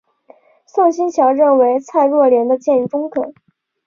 宋欣桥认为蔡若莲的建议中肯。